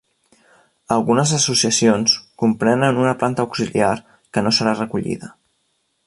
Algunes associacions comprenen una planta auxiliar que no serà recollida.